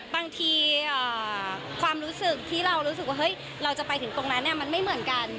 บางทีความรู้สึกที่เรารู้สึกว่าเฮ้ยเราจะไปถึงตรงนั้นมันไม่เหมือนกัน